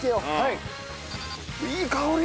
いい香り！